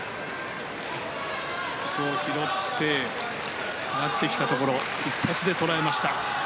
拾って上がってきたところを一発で捉えました。